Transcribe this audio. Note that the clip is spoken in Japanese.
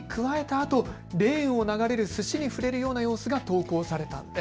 あとレーンを流れるすしに触れるような様子が投稿されたんです。